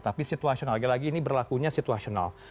tapi situasional lagi lagi ini berlakunya situasional